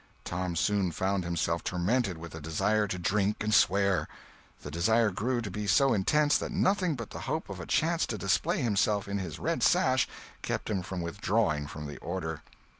Tom soon found himself tormented with a desire to drink and swear; the desire grew to be so intense that nothing but the hope of a chance to display himself in his red sash kept him from withdrawing from the order.